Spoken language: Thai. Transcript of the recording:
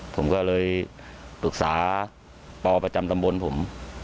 ผมก็เลยปรึกษาปประจำตำบลผม